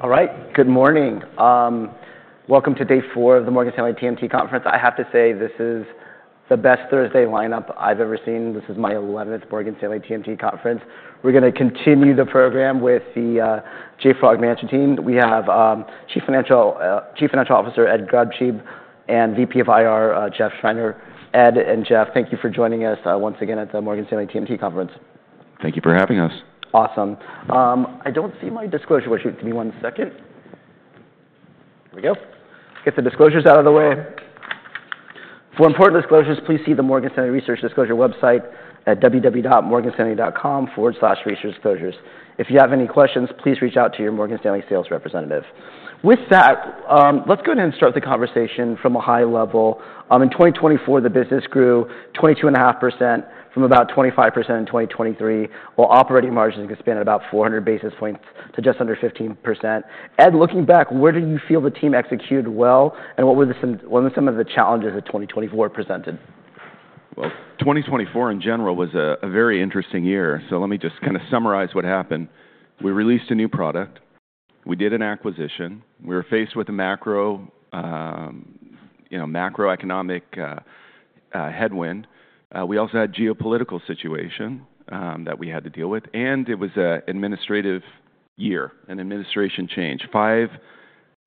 All right. Good morning. Welcome to day four of the Morgan Stanley TMT Conference. I have to say, this is the best Thursday lineup I've ever seen. This is my 11th Morgan Stanley TMT Conference. We're going to continue the program with the JFrog Management Team. We have Chief Financial Officer Ed Grabscheid and VP of IR, Jeff Schreiner. Ed and Jeff, thank you for joining us, once again at the Morgan Stanley TMT Conference. Thank you for having us. Awesome. I don't see my disclosure. Will you give me one second? Here we go. Get the disclosures out of the way. For important disclosures, please see the Morgan Stanley Research Disclosure website at www.morganstanley.com/researchdisclosures. If you have any questions, please reach out to your Morgan Stanley sales representative. With that, let's go ahead and start the conversation from a high level. In 2024, the business grew 22.5% from about 25% in 2023, while operating margins expanded about 400 basis points to just under 15%. Ed, looking back, where do you feel the team executed well, and what were some of the challenges that 2024 presented? Well, 2024 in general was a very interesting year. So let me just kind of summarize what happened. We released a new product. We did an acquisition. We were faced with a macro, you know, macroeconomic headwind. We also had a geopolitical situation that we had to deal with. And it was an administration year, an administration change. Five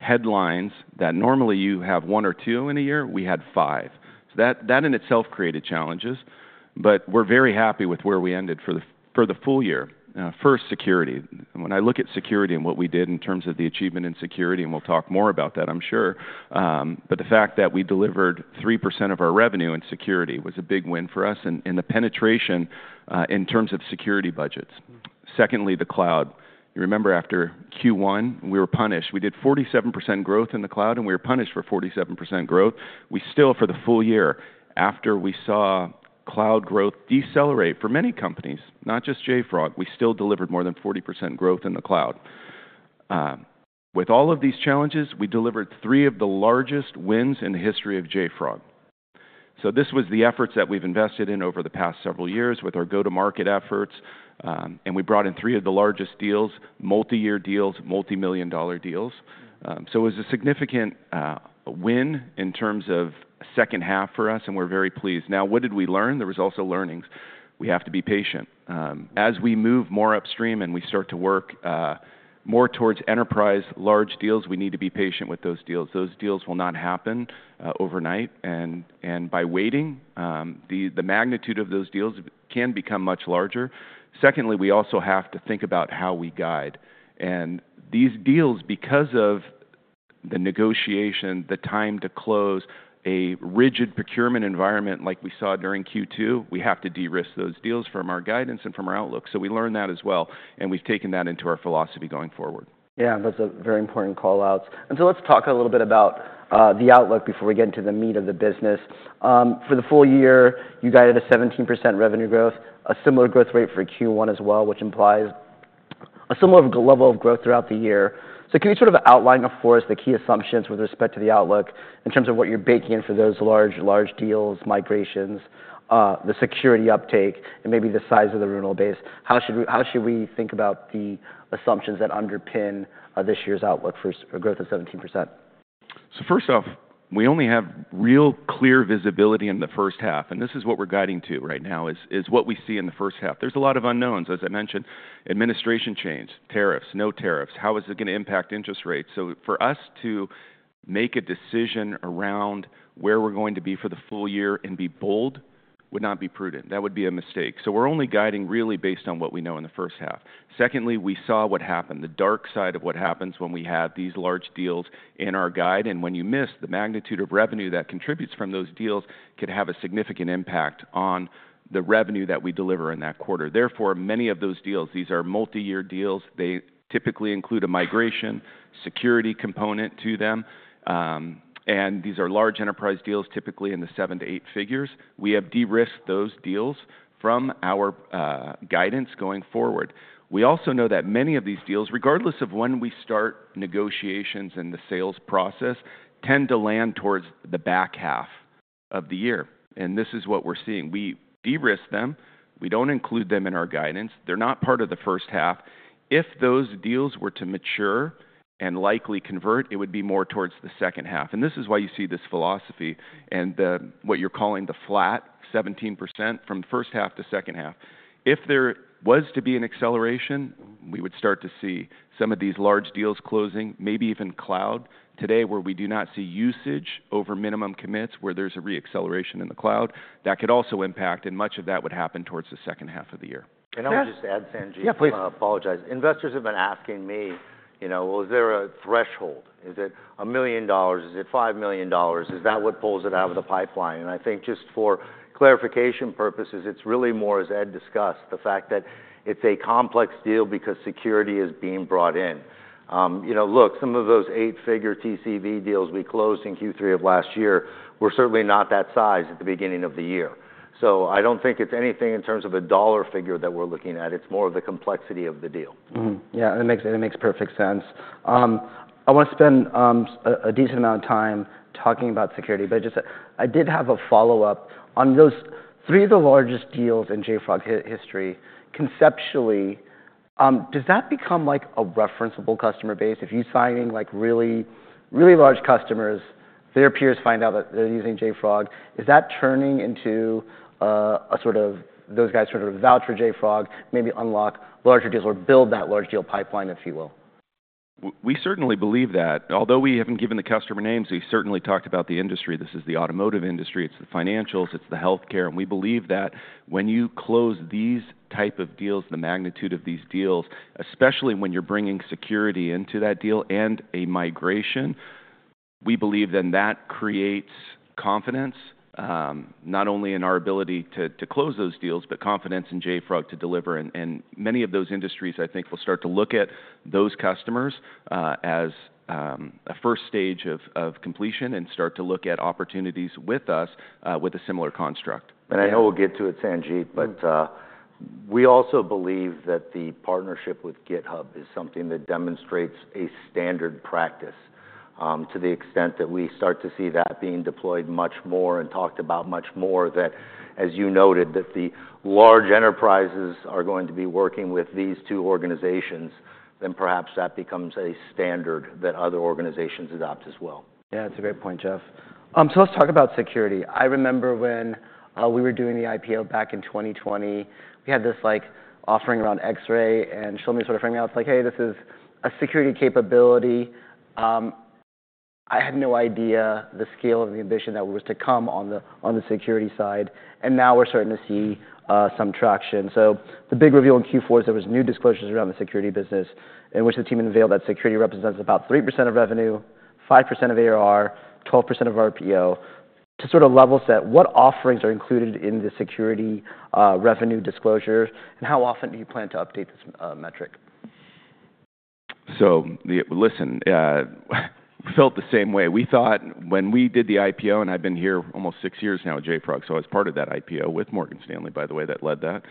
headlines that normally you have one or two in a year, we had five. So that in itself created challenges. But we're very happy with where we ended for the full year. First, security. When I look at security and what we did in terms of the achievement in security, and we'll talk more about that, I'm sure, but the fact that we delivered 3% of our revenue in security was a big win for us and the penetration in terms of security budgets. Secondly, the cloud. You remember after Q1, we were punished. We did 47% growth in the cloud, and we were punished for 47% growth. We still, for the full year, after we saw cloud growth decelerate for many companies, not just JFrog, we still delivered more than 40% growth in the cloud. With all of these challenges, we delivered three of the largest wins in the history of JFrog. So this was the efforts that we've invested in over the past several years with our go-to-market efforts. And we brought in three of the largest deals, multi-year deals, multi-million dollar deals. So it was a significant win in terms of second half for us, and we're very pleased. Now, what did we learn? There were also learnings. We have to be patient. As we move more upstream and we start to work more towards enterprise large deals, we need to be patient with those deals. Those deals will not happen overnight, and by waiting, the magnitude of those deals can become much larger. Secondly, we also have to think about how we guide, and these deals, because of the negotiation, the time to close, a rigid procurement environment like we saw during Q2, we have to de-risk those deals from our guidance and from our outlook, so we learned that as well. And we've taken that into our philosophy going forward. Yeah, that's a very important call out. And so let's talk a little bit about the outlook before we get into the meat of the business. For the full year, you guided a 17% revenue growth, a similar growth rate for Q1 as well, which implies a similar level of growth throughout the year. So can you sort of outline for us the key assumptions with respect to the outlook in terms of what you're baking in for those large, large deals, migrations, the security uptake, and maybe the size of the renewal base? How should we, how should we think about the assumptions that underpin this year's outlook for a growth of 17%? So first off, we only have real clear visibility in the first half. And this is what we're guiding to right now is what we see in the first half. There's a lot of unknowns, as I mentioned. Administration change, tariffs, no tariffs. How is it going to impact interest rates? So for us to make a decision around where we're going to be for the full year and be bold would not be prudent. That would be a mistake. So we're only guiding really based on what we know in the first half. Secondly, we saw what happened, the dark side of what happens when we had these large deals in our guide. And when you miss the magnitude of revenue that contributes from those deals could have a significant impact on the revenue that we deliver in that quarter. Therefore, many of those deals, these are multi-year deals. They typically include a migration security component to them. And these are large enterprise deals, typically in the seven to eight figures. We have de-risked those deals from our guidance going forward. We also know that many of these deals, regardless of when we start negotiations in the sales process, tend to land towards the back half of the year. And this is what we're seeing. We de-risk them. We don't include them in our guidance. They're not part of the first half. If those deals were to mature and likely convert, it would be more towards the second half. And this is why you see this philosophy and the, what you're calling the flat 17% from first half to second half. If there was to be an acceleration, we would start to see some of these large deals closing, maybe even cloud today, where we do not see usage over minimum commits, where there's a re-acceleration in the cloud. That could also impact, and much of that would happen towards the second half of the year. Can I just add, Sanjit? Yeah, please. I apologize. Investors have been asking me, you know, well, is there a threshold? Is it $1 million? Is it $5 million? Is that what pulls it out of the pipeline? And I think just for clarification purposes, it's really more, as Ed discussed, the fact that it's a complex deal because security is being brought in. You know, look, some of those eight-figure TCV deals we closed in Q3 of last year were certainly not that size at the beginning of the year. So I don't think it's anything in terms of a dollar figure that we're looking at. It's more of the complexity of the deal. Yeah, that makes, that makes perfect sense. I want to spend a decent amount of time talking about security, but just, I did have a follow-up on those three of the largest deals in JFrog history. Conceptually, does that become like a referenceable customer base? If you're signing like really, really large customers, their peers find out that they're using JFrog, is that turning into a sort of those guys sort of vouch for JFrog, maybe unlock larger deals or build that large deal pipeline, if you will? We certainly believe that. Although we haven't given the customer names, we certainly talked about the industry. This is the automotive industry. It's the financials. It's the healthcare. And we believe that when you close these type of deals, the magnitude of these deals, especially when you're bringing security into that deal and a migration, we believe then that creates confidence, not only in our ability to close those deals, but confidence in JFrog to deliver. And many of those industries, I think, will start to look at those customers as a first stage of completion and start to look at opportunities with us with a similar construct. And I know we'll get to it, Sanjit, but we also believe that the partnership with GitHub is something that demonstrates a standard practice, to the extent that we start to see that being deployed much more and talked about much more, that, as you noted, that the large enterprises are going to be working with these two organizations, then perhaps that becomes a standard that other organizations adopt as well. Yeah, that's a great point, Jeff. So let's talk about security. I remember when we were doing the IPO back in 2020, we had this like offering around X-ray and Shlomi sort of framed out like, "Hey, this is a security capability." I had no idea the scale of the ambition that was to come on the, on the security side. And now we're starting to see some traction. So the big reveal in Q4 is there were new disclosures around the security business in which the team unveiled that security represents about 3% of revenue, 5% of ARR, 12% of RPO. To sort of level set, what offerings are included in the security revenue disclosure, and how often do you plan to update this metric? So listen, we felt the same way. We thought when we did the IPO, and I've been here almost six years now at JFrog, so I was part of that IPO with Morgan Stanley, by the way, that led that.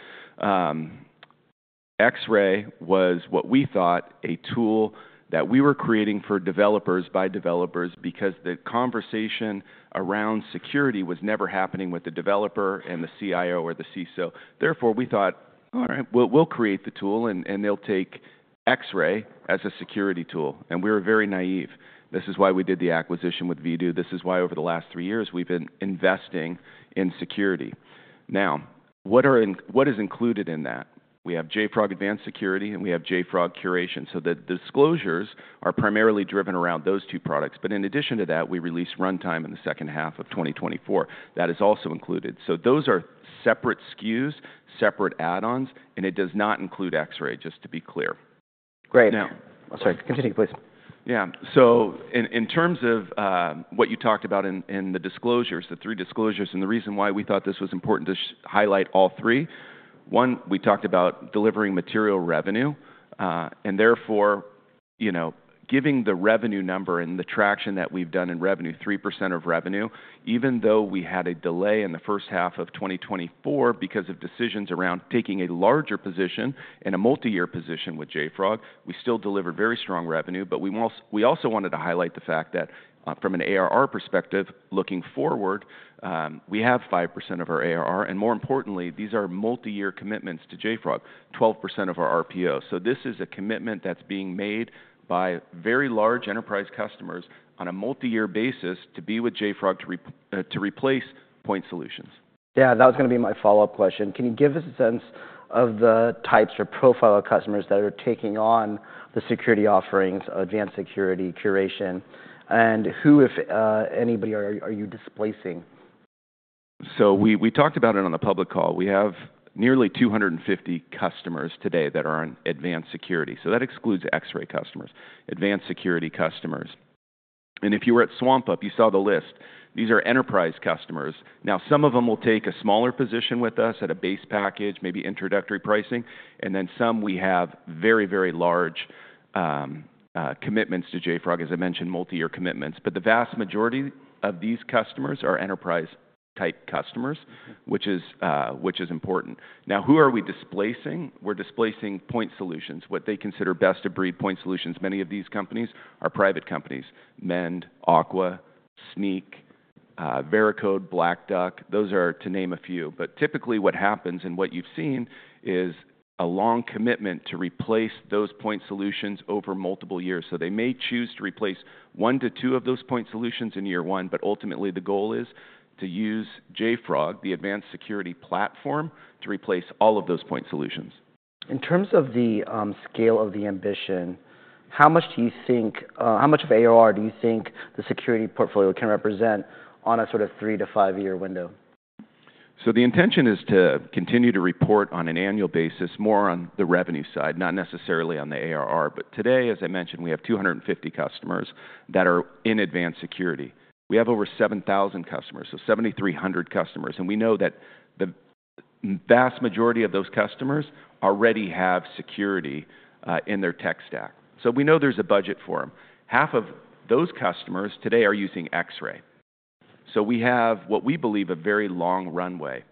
X-ray was what we thought a tool that we were creating for developers by developers because the conversation around security was never happening with the developer and the CIO or the CISO. Therefore, we thought, "All right, we'll create the tool and they'll take X-ray as a security tool." And we were very naive. This is why we did the acquisition with Vdoo. This is why over the last three years we've been investing in security. Now, what is included in that? We have JFrog Advanced Security and we have JFrog Curation. So the disclosures are primarily driven around those two products. But in addition to that, we released Runtime in the second half of 2024. That is also included. So those are separate SKUs, separate add-ons, and it does not include X-ray, just to be clear. Great. Now. Sorry, continue, please. Yeah. So in terms of what you talked about in the disclosures, the three disclosures, and the reason why we thought this was important to highlight all three, one, we talked about delivering material revenue, and therefore, you know, giving the revenue number and the traction that we've done in revenue, 3% of revenue, even though we had a delay in the first half of 2024 because of decisions around taking a larger position and a multi-year position with JFrog, we still delivered very strong revenue. But we also wanted to highlight the fact that, from an ARR perspective, looking forward, we have 5% of our ARR. And more importantly, these are multi-year commitments to JFrog, 12% of our RPO. So this is a commitment that's being made by very large enterprise customers on a multi-year basis to be with JFrog to replace point solutions. Yeah, that was going to be my follow-up question. Can you give us a sense of the types or profile of customers that are taking on the security offerings of Advanced Security, Curation and who, if anybody, are you displacing? So we talked about it on the public call. We have nearly 250 customers today that are on Advanced Security. So that excludes X-ray customers, Advanced Security customers. And if you were at SwampUp, you saw the list. These are enterprise customers. Now, some of them will take a smaller position with us at a base package, maybe introductory pricing. And then some we have very, very large commitments to JFrog, as I mentioned, multi-year commitments. But the vast majority of these customers are enterprise-type customers, which is important. Now, who are we displacing? We're displacing point solutions, what they consider best-of-breed point solutions. Many of these companies are private companies: Mend, Aqua, Snyk, Veracode, Black Duck. Those are, to name a few. But typically what happens and what you've seen is a long commitment to replace those point solutions over multiple years. They may choose to replace one to two of those point solutions in year one, but ultimately the goal is to use JFrog, the Advanced Security platform, to replace all of those point solutions. In terms of the scale of the ambition, how much do you think, how much of ARR do you think the security portfolio can represent on a sort of three- to five-year window? So the intention is to continue to report on an annual basis, more on the revenue side, not necessarily on the ARR. But today, as I mentioned, we have 250 customers that are in Advanced Security. We have over 7,000 customers, so 7,300 customers. And we know that the vast majority of those customers already have security in their tech stack. So we know there's a budget for them. Half of those customers today are using X-ray. So we have what we believe a very long runway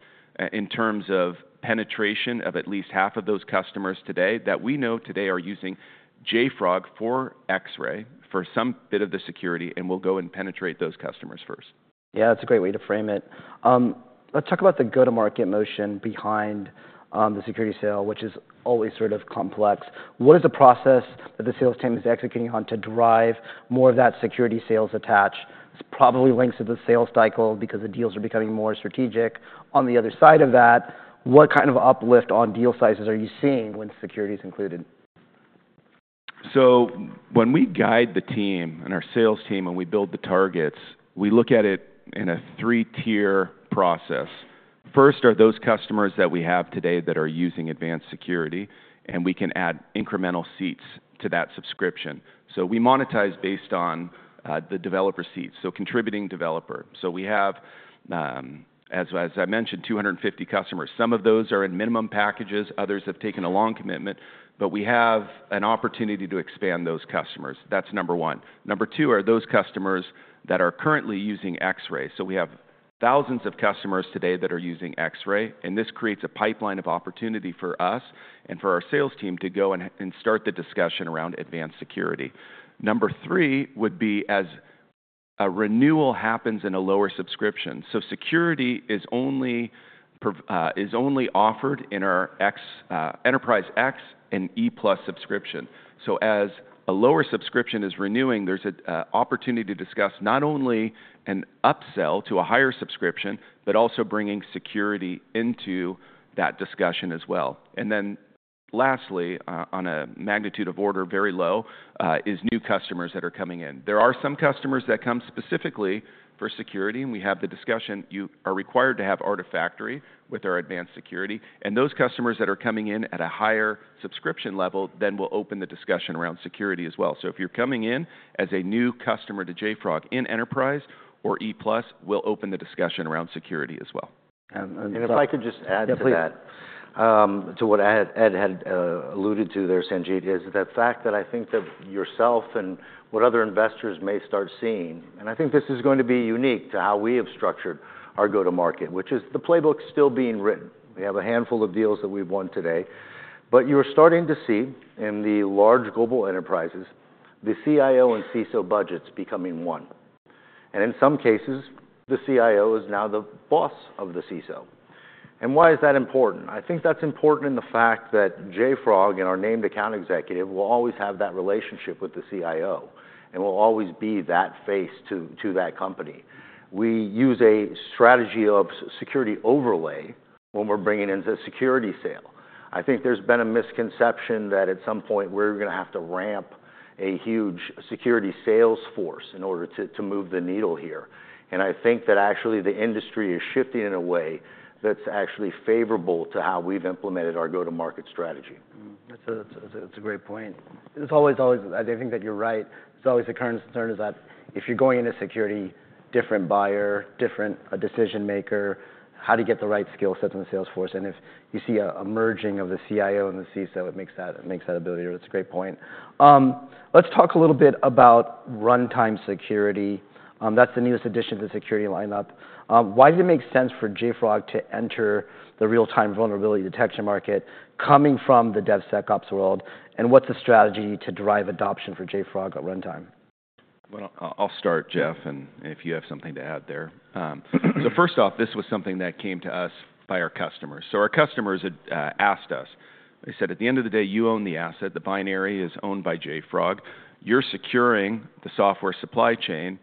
in terms of penetration of at least half of those customers today that we know today are using JFrog for X-ray for some bit of the security and will go and penetrate those customers first. Yeah, that's a great way to frame it. Let's talk about the go-to-market motion behind, the security sale, which is always sort of complex. What is the process that the sales team is executing on to drive more of that security sales attach? It's probably links to the sales cycle because the deals are becoming more strategic. On the other side of that, what kind of uplift on deal sizes are you seeing when security is included? So when we guide the team and our sales team and we build the targets, we look at it in a three-tier process. First are those customers that we have today that are using Advanced Security, and we can add incremental seats to that subscription. So we monetize based on the developer seats, so contributing developer. So we have, as I mentioned, 250 customers. Some of those are in minimum packages. Others have taken a long commitment, but we have an opportunity to expand those customers. That's number one. Number two are those customers that are currently using X-ray. So we have thousands of customers today that are using X-ray, and this creates a pipeline of opportunity for us and for our sales team to go and start the discussion around Advanced Security. Number three would be as a renewal happens in a lower subscription. Security is only offered in our Enterprise X and Enterprise+ subscription. As a lower subscription is renewing, there's an opportunity to discuss not only an upsell to a higher subscription, but also bringing security into that discussion as well. Then lastly, on a magnitude of order, very low, is new customers that are coming in. There are some customers that come specifically for security, and we have the discussion. You are required to have Artifactory with our Advanced Security. Those customers that are coming in at a higher subscription level then will open the discussion around security as well. If you're coming in as a new customer to JFrog in Enterprise or Enterprise+, we'll open the discussion around security as well. And if I could just add to that, to what Ed had alluded to there, Sanjit, is the fact that I think that yourself and what other investors may start seeing, and I think this is going to be unique to how we have structured our go-to-market, which is the playbook still being written. We have a handful of deals that we've won today, but you're starting to see in the large global enterprises, the CIO and CISO budgets becoming one. And in some cases, the CIO is now the boss of the CISO. And why is that important? I think that's important in the fact that JFrog and our named account executive will always have that relationship with the CIO and will always be that face to that company. We use a strategy of security overlay when we're bringing in the security sale. I think there's been a misconception that at some point we're going to have to ramp a huge security sales force in order to, to move the needle here. And I think that actually the industry is shifting in a way that's actually favorable to how we've implemented our go-to-market strategy. That's a great point. It's always, I think that you're right. It's always the current concern is that if you're going into security, different buyer, different decision maker, how do you get the right skill sets in the sales force? And if you see a merging of the CIO and the CISO, it makes that a billionaire. It's a great point. Let's talk a little bit about Runtime Security. That's the newest addition to the security lineup. Why does it make sense for JFrog to enter the real-time vulnerability detection market coming from the DevSecOps world? And what's the strategy to drive adoption for JFrog at Runtime? I'll start, Jeff, and if you have something to add there. First off, this was something that came to us by our customers. Our customers had asked us. They said, "At the end of the day, you own the asset. The binary is owned by JFrog. You're securing the software supply chain.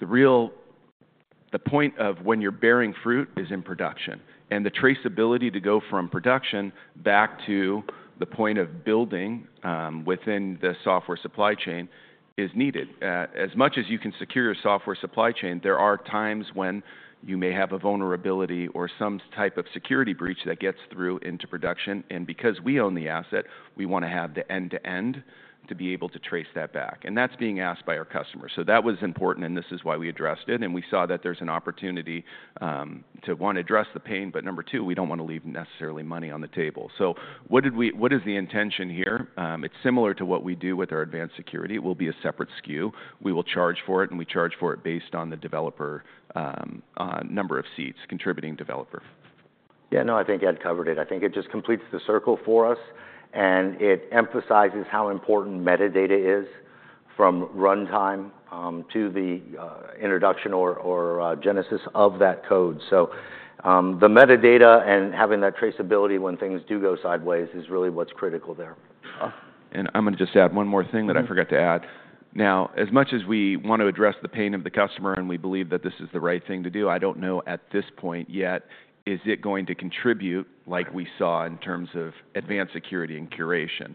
The real point of when you're bearing fruit is in production. And the traceability to go from production back to the point of building, within the software supply chain is needed. As much as you can secure your software supply chain, there are times when you may have a vulnerability or some type of security breach that gets through into production. And because we own the asset, we want to have the end-to-end to be able to trace that back." And that's being asked by our customers. So that was important, and this is why we addressed it. And we saw that there's an opportunity to want to address the pain. But number two, we don't want to leave necessarily money on the table. So what did we, what is the intention here? It's similar to what we do with our Advanced Security. It will be a separate SKU. We will charge for it, and we charge for it based on the developer, number of seats, contributing developer. Yeah, no, I think Ed covered it. I think it just completes the circle for us, and it emphasizes how important metadata is from Runtime to the introduction or genesis of that code. So, the metadata and having that traceability when things do go sideways is really what's critical there. And I'm going to just add one more thing that I forgot to add. Now, as much as we want to address the pain of the customer and we believe that this is the right thing to do, I don't know at this point yet, is it going to contribute like we saw in terms of Advanced Security and Curation?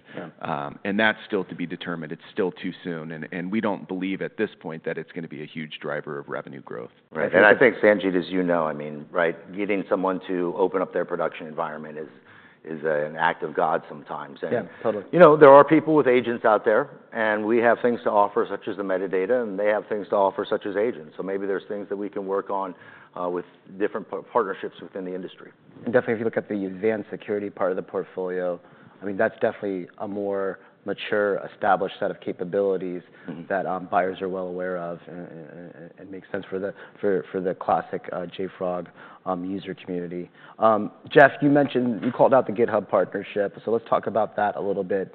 And that's still to be determined. It's still too soon. And we don't believe at this point that it's going to be a huge driver of revenue growth. I think, Sanjit, as you know, I mean, right, getting someone to open up their production environment is an act of God sometimes. Yeah, totally. You know, there are people with agents out there, and we have things to offer, such as the metadata, and they have things to offer, such as agents. So maybe there's things that we can work on, with different partnerships within the industry. Definitely, if you look at the Advanced Security part of the portfolio, I mean, that's definitely a more mature, established set of capabilities that buyers are well aware of and makes sense for the classic JFrog user community. Jeff, you mentioned you called out the GitHub partnership. Let's talk about that a little bit.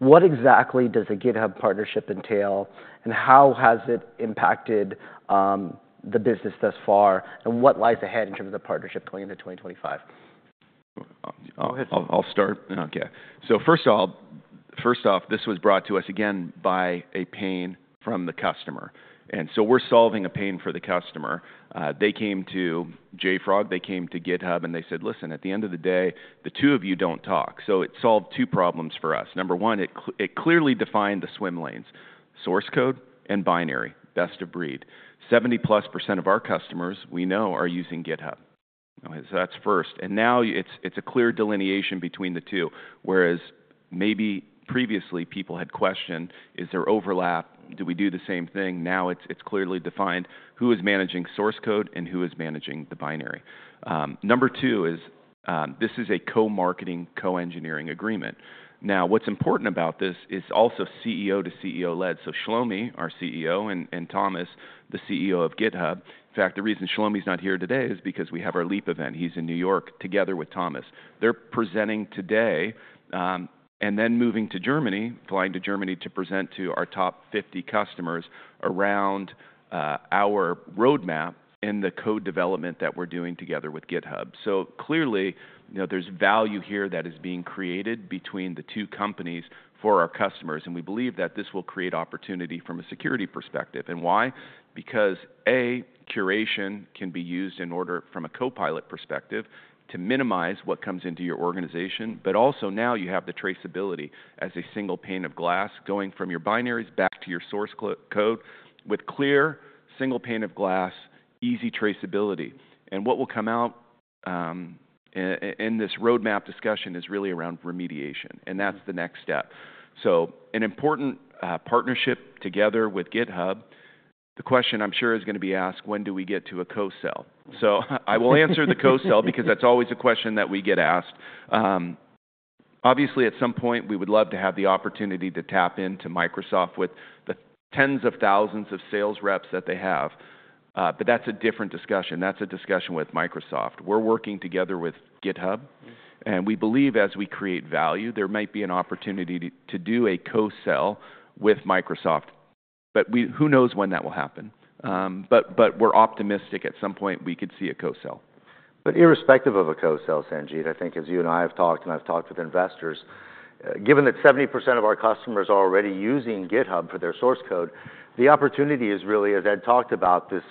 What exactly does the GitHub partnership entail, and how has it impacted the business thus far, and what lies ahead in terms of the partnership going into 2025? I'll start. Okay. So first off, first off, this was brought to us again by a pain from the customer. And so we're solving a pain for the customer. They came to JFrog, they came to GitHub, and they said, "Listen, at the end of the day, the two of you don't talk." So it solved two problems for us. Number one, it clearly defined the swim lanes: source code and binary, best of breed. 70% of our customers we know are using GitHub. Okay, so that's first. And now it's, it's a clear delineation between the two. Whereas maybe previously people had questioned, is there overlap? Do we do the same thing? Now it's, it's clearly defined who is managing source code and who is managing the binary. Number two is, this is a co-marketing, co-engineering agreement. Now, what's important about this is also CEO-CEO led. So Shlomi, our CEO, and Thomas, the CEO of GitHub. In fact, the reason Shlomi's not here today is because we have our Leap event. He's in New York together with Thomas. They're presenting today, and then moving to Germany, flying to Germany to present to our top 50 customers around our roadmap in the code development that we're doing together with GitHub. So clearly, you know, there's value here that is being created between the two companies for our customers, and we believe that this will create opportunity from a security perspective. And why? Because a curation can be used in order from a Copilot perspective to minimize what comes into your organization, but also now you have the traceability as a single pane of glass going from your binaries back to your source code with clear single pane of glass, easy traceability, and what will come out in this roadmap discussion is really around remediation, and that's the next step, so an important partnership together with GitHub. The question I'm sure is going to be asked, when do we get to a co-sell, so I will answer the co-sell because that's always a question that we get asked, obviously at some point we would love to have the opportunity to tap into Microsoft with the tens of thousands of sales reps that they have, but that's a different discussion. That's a discussion with Microsoft. We're working together with GitHub, and we believe as we create value, there might be an opportunity to do a co-sell with Microsoft, but who knows when that will happen, but we're optimistic at some point we could see a co-sell. But irrespective of a co-sell, Sanjit, I think as you and I have talked and I've talked with investors, given that 70% of our customers are already using GitHub for their source code, the opportunity is really, as Ed talked about, the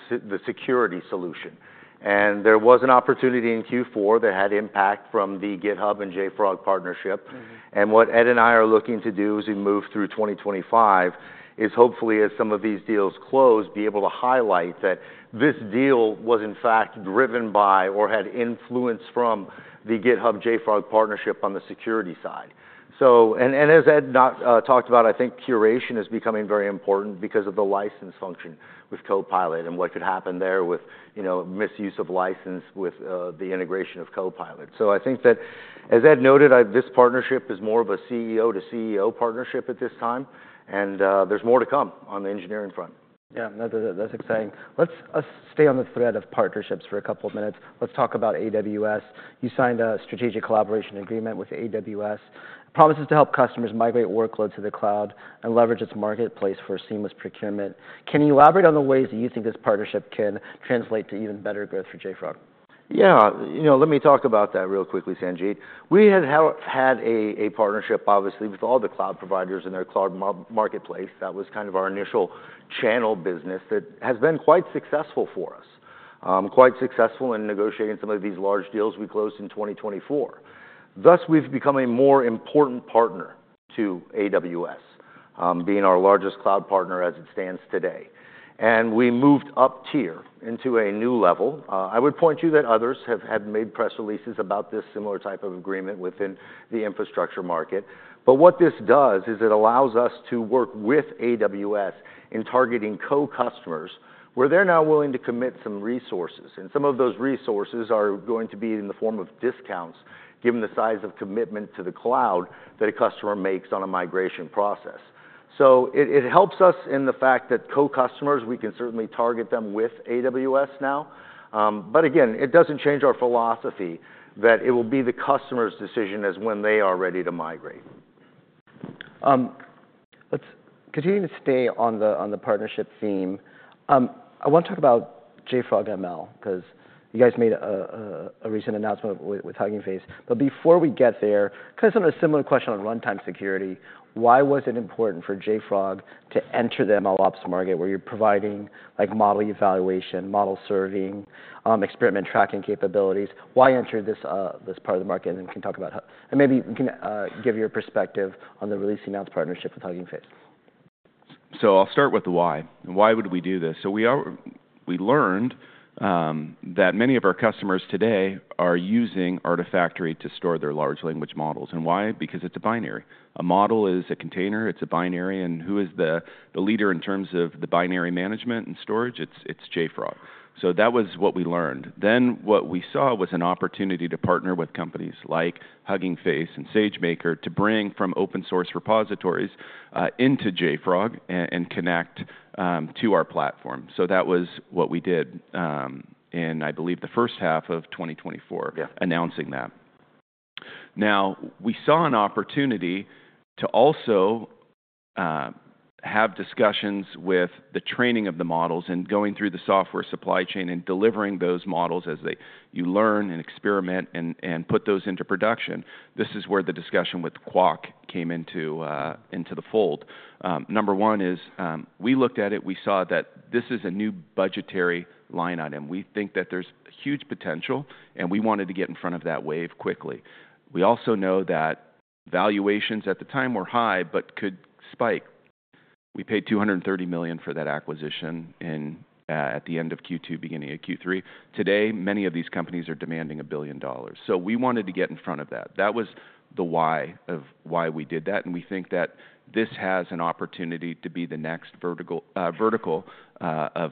security solution. And there was an opportunity in Q4 that had impact from the GitHub and JFrog partnership. And what Ed and I are looking to do as we move through 2025 is hopefully, as some of these deals close, be able to highlight that this deal was in fact driven by or had influence from the GitHub JFrog partnership on the security side. So, and as Ed has not talked about, I think curation is becoming very important because of the license function with Copilot and what could happen there with, you know, misuse of license with the integration of Copilot. So I think that, as Ed noted, this partnership is more of a CEO-CEO partnership at this time, and there's more to come on the engineering front. Yeah, that's exciting. Let's stay on the thread of partnerships for a couple of minutes. Let's talk about AWS. You signed a strategic collaboration agreement with AWS. It promises to help customers migrate workloads to the cloud and leverage its marketplace for seamless procurement. Can you elaborate on the ways that you think this partnership can translate to even better growth for JFrog? Yeah, you know, let me talk about that real quickly, Sanjit. We had had a partnership, obviously, with all the cloud providers in their cloud marketplace. That was kind of our initial channel business that has been quite successful for us, quite successful in negotiating some of these large deals we closed in 2024. Thus, we've become a more important partner to AWS, being our largest cloud partner as it stands today. And we moved up tier into a new level. I would point you that others have had made press releases about this similar type of agreement within the infrastructure market. But what this does is it allows us to work with AWS in targeting co-customers where they're now willing to commit some resources. And some of those resources are going to be in the form of discounts, given the size of commitment to the cloud that a customer makes on a migration process. So it helps us in that co-sell customers, we can certainly target them with AWS now. But again, it doesn't change our philosophy that it will be the customer's decision as to when they are ready to migrate. Let's continue to stay on the partnership theme. I want to talk about JFrog ML because you guys made a recent announcement with Hugging Face. But before we get there, kind of some of the similar question on runtime security, why was it important for JFrog to enter the MLOps market where you're providing like model evaluation, model serving, experiment tracking capabilities? Why enter this, this part of the market? And then we can talk about, and maybe we can, give your perspective on the recently announced partnership with Hugging Face. So I'll start with the why. Why would we do this? So we are, we learned, that many of our customers today are using Artifactory to store their large language models. And why? Because it's a binary. A model is a container, it's a binary, and who is the leader in terms of the binary management and storage? It's JFrog. So that was what we learned. Then what we saw was an opportunity to partner with companies like Hugging Face and SageMaker to bring from open source repositories, into JFrog and connect, to our platform. So that was what we did, in, I believe, the first half of 2024, announcing that. Now, we saw an opportunity to also, have discussions with the training of the models and going through the software supply chain and delivering those models as you learn and experiment and put those into production. This is where the discussion with Qwak came into the fold. Number one is, we looked at it, we saw that this is a new budgetary line item. We think that there's huge potential, and we wanted to get in front of that wave quickly. We also know that valuations at the time were high, but could spike. We paid $230 million for that acquisition in at the end of Q2, beginning of Q3. Today, many of these companies are demanding $1 billion. So we wanted to get in front of that. That was the why of why we did that, and we think that this has an opportunity to be the next vertical of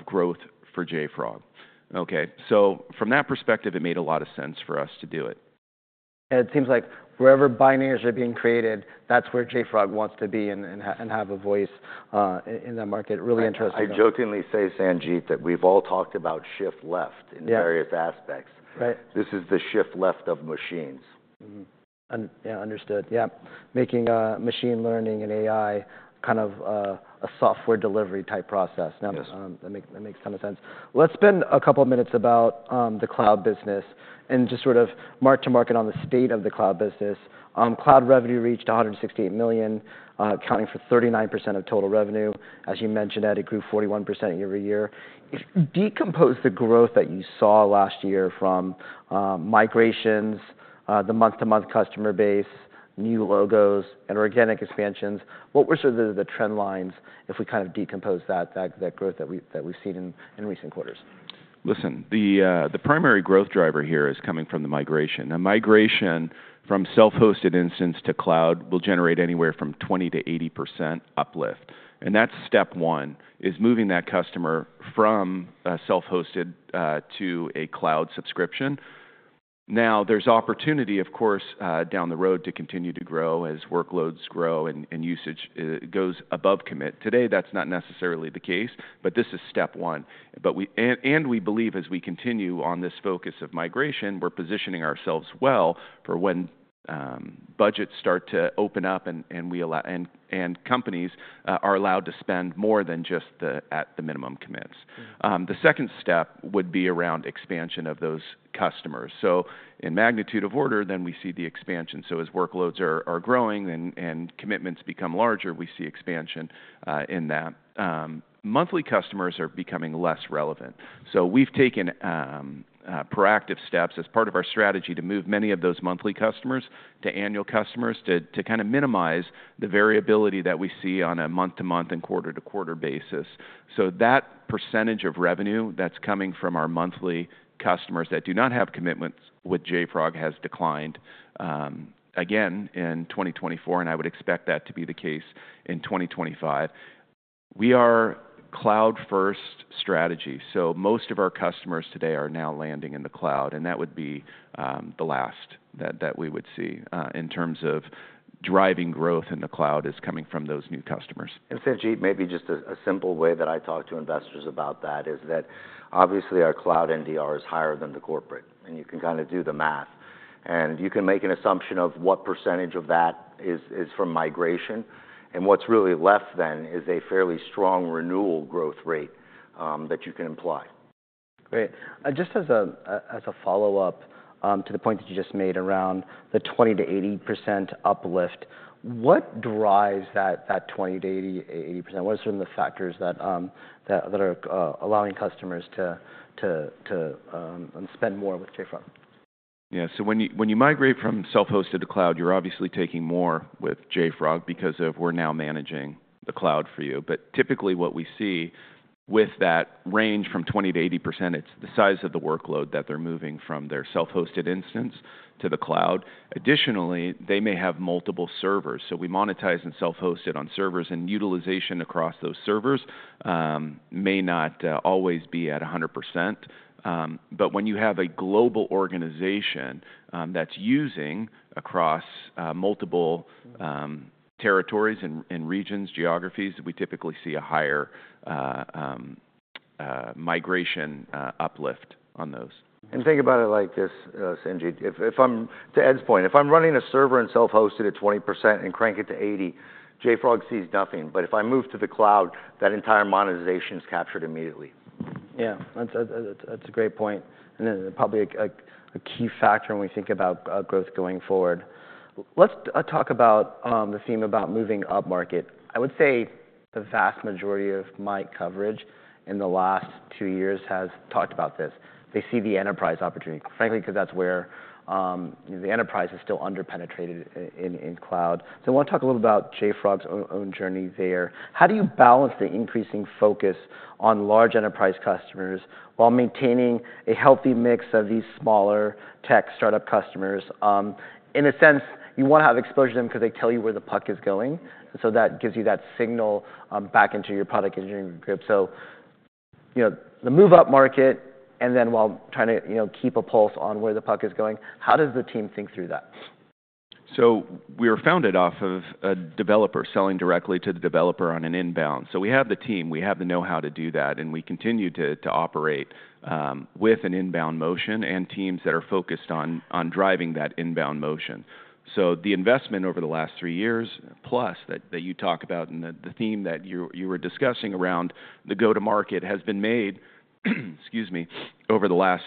growth for JFrog. Okay, so from that perspective, it made a lot of sense for us to do it. It seems like wherever binaries are being created, that's where JFrog wants to be and have a voice, in that market. Really interesting. I jokingly say, Sanjit, that we've all talked about shift left in various aspects. This is the shift left of machines. Yeah, understood. Yeah. Making machine learning and AI kind of a software delivery type process. Now, that makes a ton of sense. Let's spend a couple of minutes about the cloud business and just sort of market to market on the state of the cloud business. Cloud revenue reached $168 million, accounting for 39% of total revenue. As you mentioned, Ed, it grew 41% yearover-year. If you decompose the growth that you saw last year from migrations, the month-to-month customer base, new logos, and organic expansions, what were sort of the trend lines if we kind of decompose that, that growth that we've seen in recent quarters? Listen, the primary growth driver here is coming from the migration. A migration from self-hosted instance to cloud will generate anywhere from 20%-80% uplift. That's step one, is moving that customer from a self-hosted to a cloud subscription. Now, there's opportunity, of course, down the road to continue to grow as workloads grow and usage goes above commit. Today, that's not necessarily the case, but this is step one. We believe as we continue on this focus of migration, we're positioning ourselves well for when budgets start to open up and companies are allowed to spend more than just the minimum commits. The second step would be around expansion of those customers. In magnitude of order, then we see the expansion. As workloads are growing and commitments become larger, we see expansion in that. Monthly customers are becoming less relevant. So we've taken proactive steps as part of our strategy to move many of those monthly customers to annual customers to kind of minimize the variability that we see on a month-to-month and quarter-to-quarter basis. So that percentage of revenue that's coming from our monthly customers that do not have commitments with JFrog has declined, again in 2024, and I would expect that to be the case in 2025. We are cloud-first strategy. So most of our customers today are now landing in the cloud, and that would be the last that we would see in terms of driving growth in the cloud is coming from those new customers. Sanjit, maybe just a simple way that I talk to investors about that is that obviously our cloud NDR is higher than the corporate, and you can kind of do the math, and you can make an assumption of what percentage of that is from migration. What's really left then is a fairly strong renewal growth rate, that you can imply. Great. Just as a follow-up to the point that you just made around the 20%-80% uplift, what drives that 20%-80%? What are some of the factors that are allowing customers to spend more with JFrog? Yeah. So when you migrate from self-hosted to cloud, you're obviously taking more with JFrog because we're now managing the cloud for you. But typically what we see with that range from 20%-80%, it's the size of the workload that they're moving from their self-hosted instance to the cloud. Additionally, they may have multiple servers. So we monetize and self-host it on servers, and utilization across those servers may not always be at 100%. But when you have a global organization that's using across multiple territories and regions, geographies, we typically see a higher migration uplift on those. Think about it like this, Sanjit. If I'm, to Ed's point, if I'm running a server and self-hosted at 20% and crank it to 80%, JFrog sees nothing. But if I move to the cloud, that entire monetization is captured immediately. Yeah. That's a great point. And then probably a key factor when we think about growth going forward. Let's talk about the theme about moving up market. I would say the vast majority of my coverage in the last two years has talked about this. They see the enterprise opportunity, frankly, because that's where the enterprise is still underpenetrated in cloud. So I want to talk a little bit about JFrog's own journey there. How do you balance the increasing focus on large enterprise customers while maintaining a healthy mix of these smaller tech startup customers? In a sense, you want to have exposure to them because they tell you where the puck is going. And so that gives you that signal back into your product engineering group. So, you know, the move-up market, and then while trying to, you know, keep a pulse on where the puck is going, how does the team think through that? So we were founded off of a developer selling directly to the developer on an inbound. So we have the team, we have the know-how to do that, and we continue to operate with an inbound motion and teams that are focused on driving that inbound motion. So the investment over the last three years, plus that you talk about and the theme that you were discussing around the go-to-market has been made, excuse me, over the last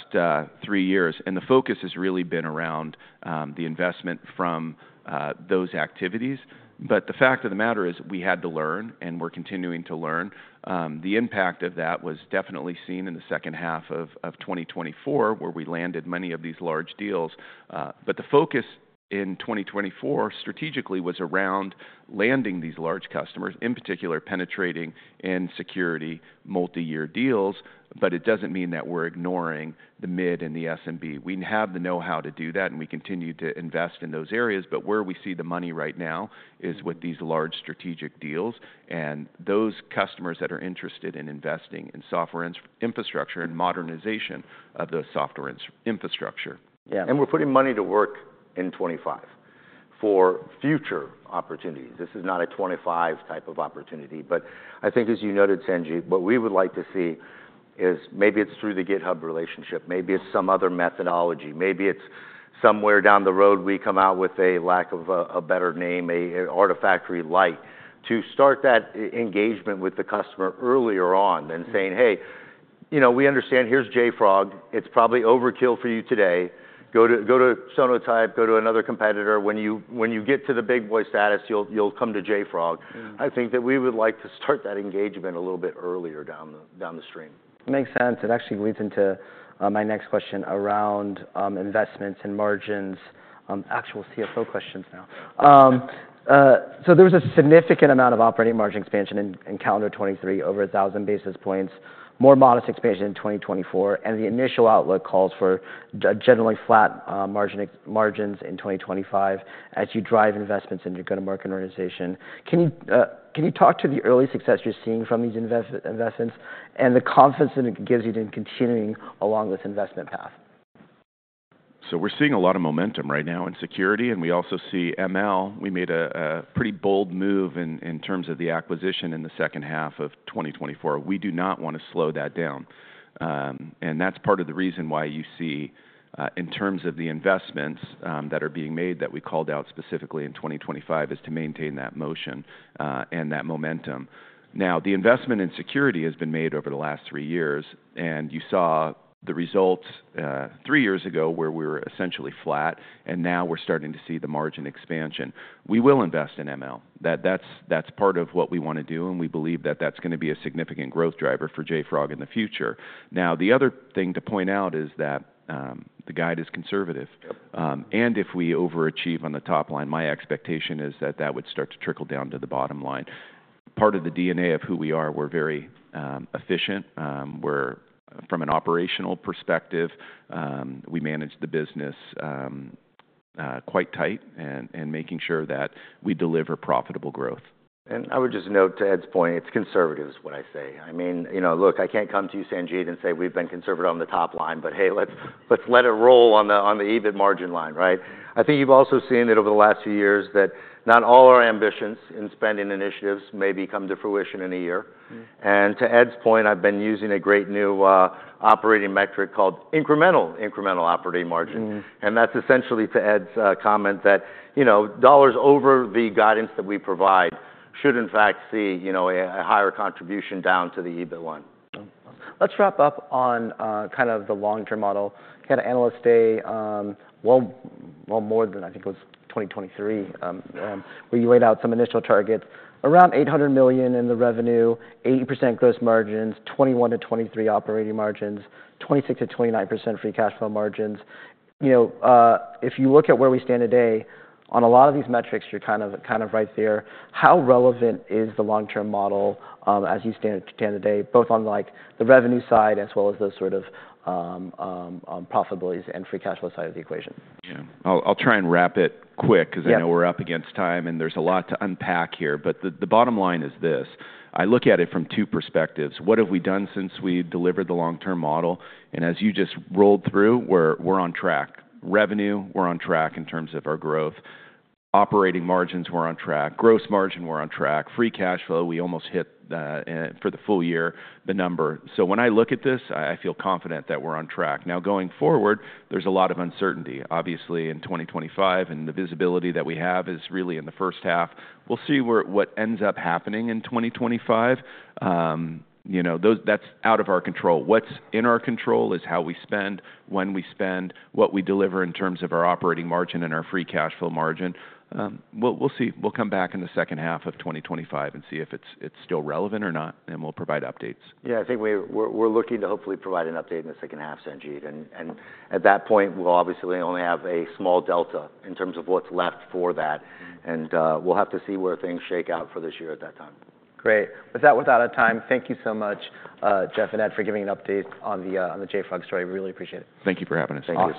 three years. And the focus has really been around the investment from those activities. But the fact of the matter is we had to learn and we're continuing to learn. The impact of that was definitely seen in the second half of 2024 where we landed many of these large deals. But the focus in 2024 strategically was around landing these large customers, in particular penetrating in security multi-year deals. But it doesn't mean that we're ignoring the mid and the SMB. We have the know-how to do that and we continue to invest in those areas. But where we see the money right now is with these large strategic deals and those customers that are interested in investing in software infrastructure and modernization of the software infrastructure. Yeah. We're putting money to work in 2025 for future opportunities. This is not a 2025 type of opportunity. But I think, as you noted, Sanjit, what we would like to see is maybe it's through the GitHub relationship, maybe it's some other methodology, maybe it's somewhere down the road we come out with a lack of a better name, an Artifactory Lite to start that engagement with the customer earlier on and saying, "Hey, you know, we understand here's JFrog. It's probably overkill for you today. Go to Sonatype, go to another competitor. When you get to the big boy status, you'll come to JFrog." I think that we would like to start that engagement a little bit earlier down the stream. Makes sense. It actually leads into my next question around investments and margins, actual CFO questions now. So there was a significant amount of operating margin expansion in calendar 2023, over a thousand basis points, more modest expansion in 2024, and the initial outlook calls for generally flat margins in 2025 as you drive investments in your go-to-market organization. Can you talk to the early success you're seeing from these investments and the confidence that it gives you to continuing along this investment path? So we're seeing a lot of momentum right now in security, and we also see ML. We made a pretty bold move in terms of the acquisition in the second half of 2024. We do not want to slow that down. And that's part of the reason why you see, in terms of the investments that are being made that we called out specifically in 2025, is to maintain that motion, and that momentum. Now, the investment in security has been made over the last three years, and you saw the results three years ago where we were essentially flat, and now we're starting to see the margin expansion. We will invest in ML. That's part of what we want to do, and we believe that that's going to be a significant growth driver for JFrog in the future. Now, the other thing to point out is that the guide is conservative, and if we overachieve on the top line, my expectation is that that would start to trickle down to the bottom line. Part of the DNA of who we are, we're very efficient. We're from an operational perspective, we manage the business quite tight and making sure that we deliver profitable growth. I would just note to Ed's point, it's conservative, is what I say. I mean, you know, look, I can't come to you, Sanjit, and say we've been conservative on the top line, but hey, let's let it roll on the EBIT margin line, right? I think you've also seen that over the last few years that not all our ambitions in spending initiatives may come to fruition in a year. And to Ed's point, I've been using a great new operating metric called incremental operating margin. And that's essentially to Ed's comment that, you know, dollars over the guidance that we provide should in fact see, you know, a higher contribution down to the EBIT one. Let's wrap up on kind of the long-term model. Kind of analyst day, well, more than I think it was 2023, where you laid out some initial targets around $800 million in the revenue, 80% gross margins, 21%-23% operating margins, 26%-29% free cash flow margins. You know, if you look at where we stand today on a lot of these metrics, you're kind of right there. How relevant is the long-term model as you stand today both on like the revenue side as well as the sort of profitabilities and free cash flow side of the equation? Yeah. I'll try and wrap it quick because I know we're up against time and there's a lot to unpack here. But the bottom line is this. I look at it from two perspectives. What have we done since we delivered the long-term model? And as you just rolled through, we're on track. Revenue, we're on track in terms of our growth. Operating margins, we're on track. Gross margin, we're on track. Free cash flow, we almost hit, for the full year, the number. So when I look at this, I feel confident that we're on track. Now, going forward, there's a lot of uncertainty, obviously, in 2025, and the visibility that we have is really in the first half. We'll see what ends up happening in 2025, you know, that's out of our control. What's in our control is how we spend, when we spend, what we deliver in terms of our operating margin and our free cash flow margin. We'll see. We'll come back in the second half of 2025 and see if it's still relevant or not, and we'll provide updates. Yeah, I think we're looking to hopefully provide an update in the second half, Sanjit. And at that point, we'll obviously only have a small delta in terms of what's left for that. And we'll have to see where things shake out for this year at that time. Great. With that, we're out of time. Thank you so much, Jeff and Ed, for giving an update on the JFrog story. We really appreciate it. Thank you for having us.